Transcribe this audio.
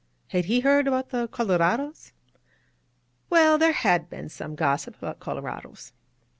Had he heard about the colorados? Well, there had been some gossip about colorados.